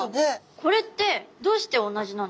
これってどうして同じなんですか？